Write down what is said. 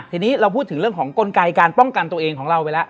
ทีนี้เราพูดถึงเรื่องของกลไกการป้องกันตัวเองของเราไปแล้ว